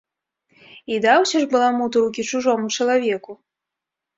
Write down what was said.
І даўся ж баламут у рукі чужому чалавеку!